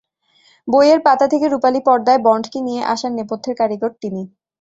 বইয়ের পাতা থেকে রুপালি পর্দায় বন্ডকে নিয়ে আসার নেপথ্যের কারিগর তিনি।